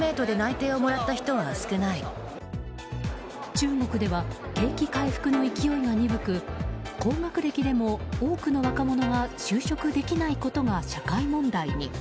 中国では景気回復の勢いが鈍く高学歴でも多くの若者が就職できないことが社会問題に。